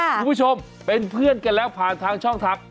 คุณผู้ชมเป็นเพื่อนกันแล้วผ่านทางช่องทัก